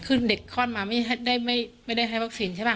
คือเด็กคลอดมาไม่ได้ให้วัคซีนใช่ป่